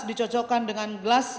dicocokkan dengan gelas